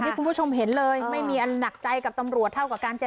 ถ้ามึงทามมึงก็กล้าลืมมึงก็กล้าเล่น